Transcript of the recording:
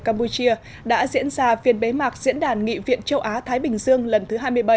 campuchia đã diễn ra phiên bế mạc diễn đàn nghị viện châu á thái bình dương lần thứ hai mươi bảy